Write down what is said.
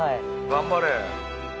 頑張れ。